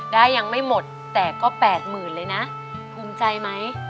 ได้ยังไม่หมดแต่ก็แปดหมื่นเลยนะภูมิใจไหม